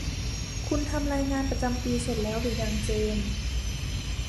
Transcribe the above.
คุณทำรายงานประจำปีเสร็จแล้วหรือยังเจน